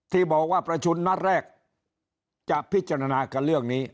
ที่บอกว่าประชุมนัดแรกจะพิจารณากับเรื่องนี้